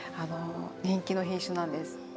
人気の品種なんです。